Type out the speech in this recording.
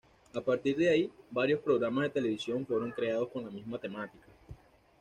A partir de ahí, varios programas de televisión fueron creados con la misma temática.